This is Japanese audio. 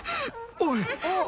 おい。